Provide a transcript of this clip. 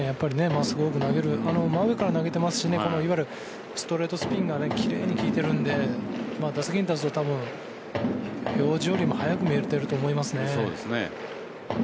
真っすぐを多く投げる真上から投げてますしストレートスピンが奇麗に効いてるんで打席に立つとたぶん表示よりも速く見えてると思いますね。